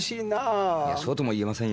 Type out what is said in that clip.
そうとも言えませんよ。